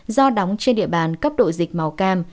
do đóng trên địa bàn cấp độ dịch màu cam